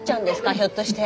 ひょっとして。